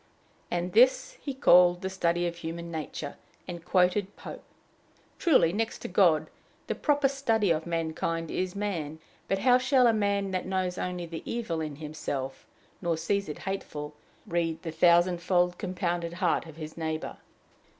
And this he called the study of human nature, and quoted Pope. Truly, next to God, the proper study of mankind is man; but how shall a man that knows only the evil in himself, nor sees it hateful, read the thousandfold compounded heart of his neighbor?